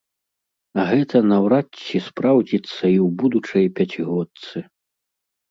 А гэта наўрад ці спраўдзіцца і ў будучай пяцігодцы.